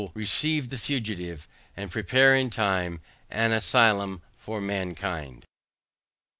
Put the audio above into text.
receive the fugitive, and prepare in time an asylum for mankind.